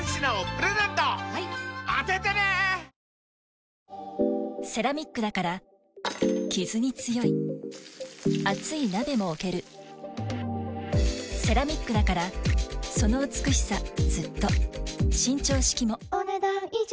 わかるぞセラミックだからキズに強い熱い鍋も置けるセラミックだからその美しさずっと伸長式もお、ねだん以上。